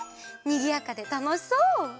にぎやかでたのしそう！